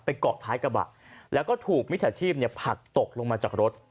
เกาะท้ายกระบะแล้วก็ถูกมิจฉาชีพผลักตกลงมาจากรถ